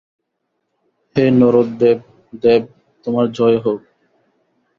হে নরদেব দেব! তোমার জয় হউক।